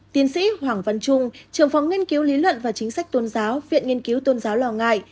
tiến sĩ hoàng văn trung trường phòng nghiên cứu lý luận và chính sách tôn giáo viện nghiên cứu tôn giáo lo ngại